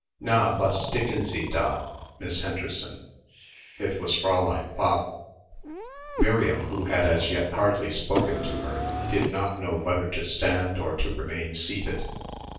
"Na, was sticken Sie da Miss Henderson?" It was Fräulein Pfaff. Miriam who had as yet hardly spoken to her, did not know whether to stand or to remain seated.